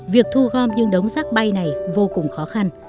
việc thu gom những đống rác bay này vô cùng khó khăn